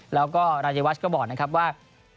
แล้วก็รายเยวัชก็บอกว่า